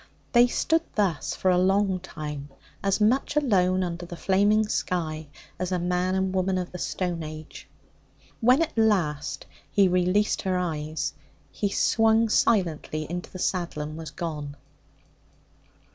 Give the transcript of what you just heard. They stood thus for a long time, as much alone under the flaming sky as a man and woman of the stone age. When at least he released her eyes, he swung silently into the saddle and was gone.